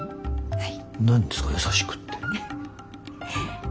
はい。